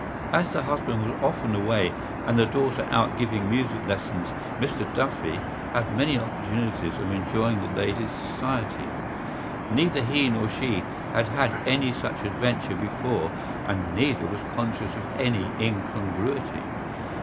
As the husband was often away and the daughter out giving music lessons Mr Duffy had many opportunities of enjoying the lady's society. Neither he nor she had had any such adventure before and neither was conscious of any incongruity.